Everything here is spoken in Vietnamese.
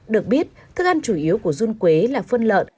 được biết thức ăn chủ yếu của run quế là phân lợn